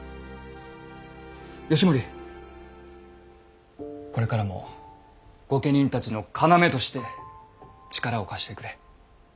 義盛これからも御家人たちの要として力を貸してくれ。